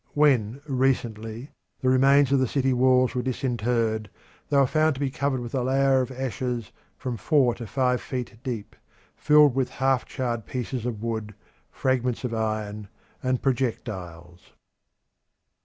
When recently the remains of the city walls were disinterred they were found to be covered with a layer of ashes from four to five feet deep. Filled with half charred pieces of wood, fragments of iron, and projectiles.